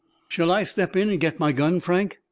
"Shall I step in and get my gun, Frank?"